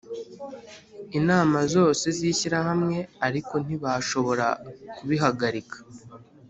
inama zose z Ishyirahamwe ariko ntibashobora kubihagarika